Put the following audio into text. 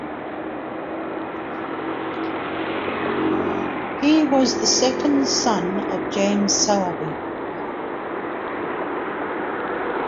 He was the second son of James Sowerby.